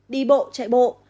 đi bộ chạy bộ